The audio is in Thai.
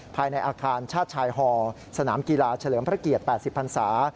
ภายในอาคารชาติชายฮอสนามกีฬาเฉลิมพระเกียรติ๘๐พันศา